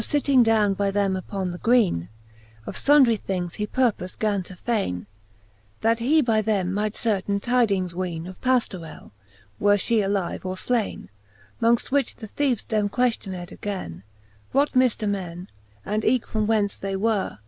Tho fitting downe by them upon the greene, Of fundrie things he purpofe gan to faine ; That he by them might certaine tydings weene Of Pajiorell, were fhe aHve, or flaine. Mongft which the theeves them queftioned againe, What mifter men, and eke from whence they were.